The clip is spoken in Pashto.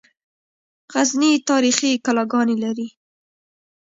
غزني تاریخي کلاګانې لري